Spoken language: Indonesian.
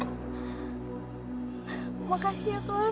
terima kasih ya tuhan